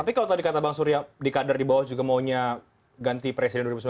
tapi kalau tadi kata bang surya di kader di bawah juga maunya ganti presiden dua ribu sembilan belas